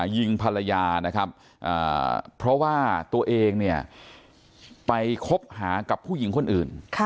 ยิงภรรยานะครับเพราะว่าตัวเองเนี่ยไปคบหากับผู้หญิงคนอื่น